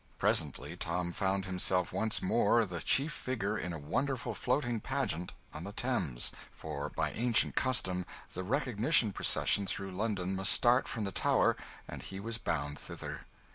Presently Tom found himself once more the chief figure in a wonderful floating pageant on the Thames; for by ancient custom the 'recognition procession' through London must start from the Tower, and he was bound thither.